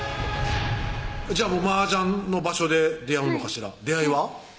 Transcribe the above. じゃあ麻雀の場所で出会うのかしら出会いは？